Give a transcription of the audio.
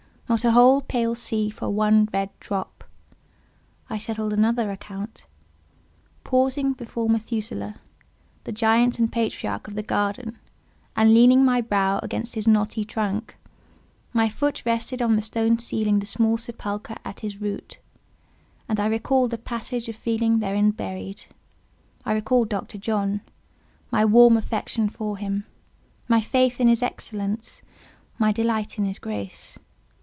Not a whole pale sea for one red drop. I settled another account. Pausing before Methusaleh—the giant and patriarch of the garden—and leaning my brow against his knotty trunk, my foot rested on the stone sealing the small sepulchre at his root; and I recalled the passage of feeling therein buried; I recalled Dr. John; my warm affection for him; my faith in his excellence; my delight in his grace.